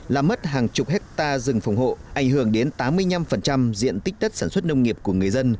làm mất hàng chục hectare rừng phòng hộ ảnh hưởng đến tám mươi năm diện tích đất sản xuất nông nghiệp của người dân